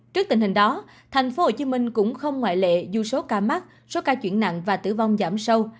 trước tình hình đó tp hcm cũng không ngoại lệ dù số ca mắc số ca chuyển nặng và tử vong giảm sâu